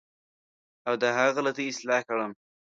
او د هغه غلطۍ اصلاح کړم.